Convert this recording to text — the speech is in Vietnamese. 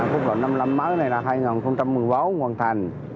phút lộ năm mươi năm mới này là hai nghìn phút trăm mừng bóng hoàn thành